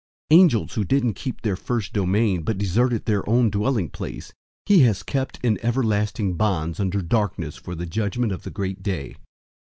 001:006 Angels who didn't keep their first domain, but deserted their own dwelling place, he has kept in everlasting bonds under darkness for the judgment of the great day.